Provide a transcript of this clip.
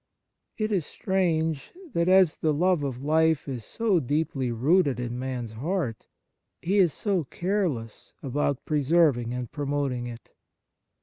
It is strange that, as the love of life is so deeply rooted in man's heart, he is so careless about preserving and promoting it.